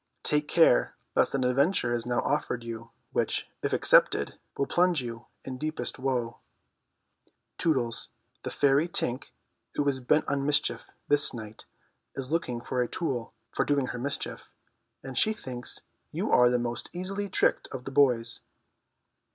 Take care lest an adventure is now offered you, which, if accepted, will plunge you in deepest woe. Tootles, the fairy Tink, who is bent on mischief this night is looking for a tool, and she thinks you are the most easily tricked of the boys.